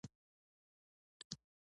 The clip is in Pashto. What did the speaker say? تاوې چې ماوې کوي.